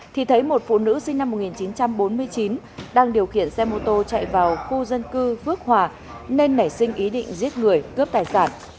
thì thấy một phụ nữ sinh năm một nghìn chín trăm bốn mươi chín đang điều khiển xe mô tô chạy vào khu dân cư phước hòa nên nảy sinh ý định giết người cướp tài sản